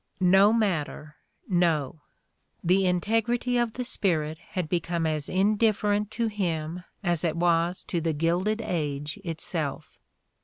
No matter, no! The integrity of the spirit had become as indifferent to him as it was to the Gilded Age itself.